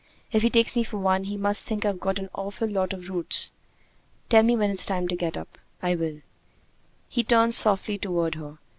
"If he takes me for one, he must think I've got an awful lot of roots." "Tell me when it's time to get up." "I will." He turned softly toward her.